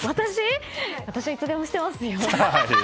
私はいつでもしてますよ。